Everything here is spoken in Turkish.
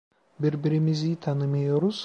Birbirimizi tanımıyoruz.